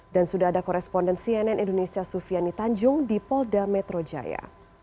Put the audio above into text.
dan sudah ada koresponden cnn indonesia sufiani tanjung di polda metro jaya